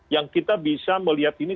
yang kita bisa melihat ini